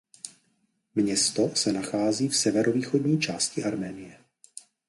Město se nachází v severovýchodní části Arménie.